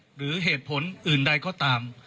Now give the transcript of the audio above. หรือเหตุผลอื่นใดก็ตาม